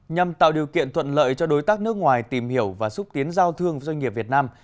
nhằm tạo điều kiện thuận lợi cho đối tác nước ngoài tìm hiểu và xúc tiến giao thương doanh nghiệp việt nam